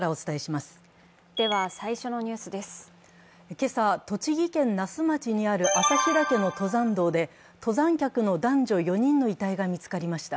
今朝、栃木県那須町にある朝日岳の登山道で登山客の男女４人の遺体が見つかりました。